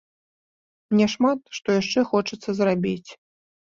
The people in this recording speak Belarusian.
Мне шмат што яшчэ хочацца зрабіць.